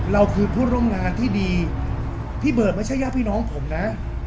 เราคือผู้ร่วมงานที่ดีพี่เบิร์ดไม่ใช่ญาติพี่น้องผมนะ